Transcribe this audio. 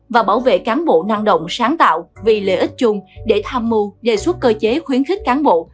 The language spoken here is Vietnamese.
và bảo vệ cán bộ năng động sáng tạo vì lợi ích chung để tham mưu đề xuất cơ chế khuyến khích cán bộ